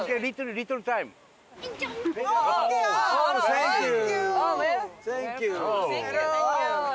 サンキュー！